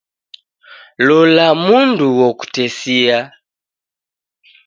Lola mundu wokutesia.